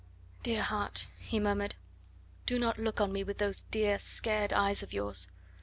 "Dear heart," he murmured, "do not look on me with those dear, scared eyes of yours.